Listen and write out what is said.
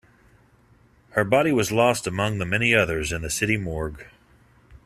Her body was lost among the many others in the city morgue.